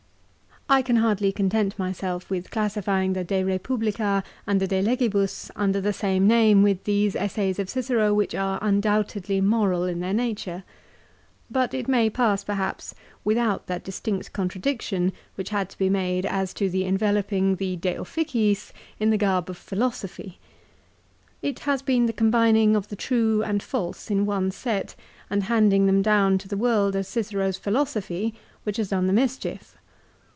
1 I can hardly content myself with classifying the "De Eepublica" and the "De Legibus" under the same name with these essays of Cicero which are undoubtedly moral in their nature. But it may pass, perhaps, without that distinct contradiction which had to be made as to the enveloping the "De Officiis " in the garb of philosophy. It has been the combining of the true and false in one set and handing them down to the world as Cicero's philosophy which has done the mischief.